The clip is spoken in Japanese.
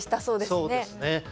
そうですね。